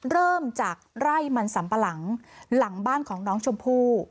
เริ่มจากไร่มันสัมปะหลังหลังบ้านของน้องชมพู่